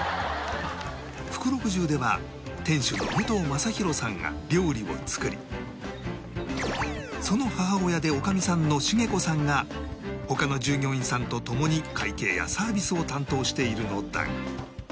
福六十では店主の武藤政浩さんが料理を作りその母親で女将さんのシゲ子さんが他の従業員さんと共に会計やサービスを担当しているのだが